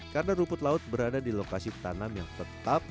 karena rumput laut berada di lokasi tanam yang tetap